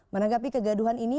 menanggapi kegaduhan ini